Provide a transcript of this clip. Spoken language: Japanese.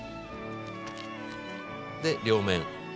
で両面。